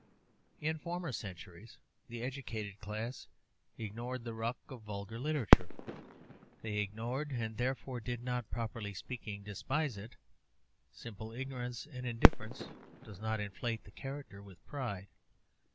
In former centuries the educated class ignored the ruck of vulgar literature. They ignored, and therefore did not, properly speaking, despise it. Simple ignorance and indifference does not inflate the character with pride.